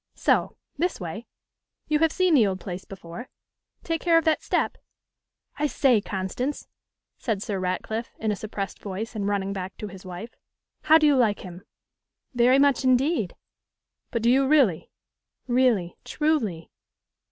So, this way. You have seen the old Place before? Take care of that step. I say, Constance,' said Sir Ratcliffe, in a suppressed voice, and running back to his wife, 'how do you like him?' 'Very much indeed.' 'But do you really?' 'Really, truly.